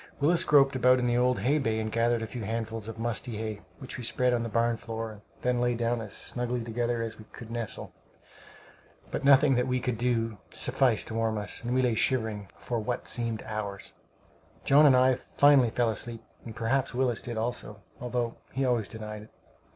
Willis groped about in the old hay bay and gathered a few handfuls of musty hay, which we spread on the barn floor, and then lay down as snugly together as we could nestle, but nothing that we could do sufficed to warm us, and we lay shivering for what seemed hours. John and I finally fell asleep, and perhaps Willis did also, although he always denied it.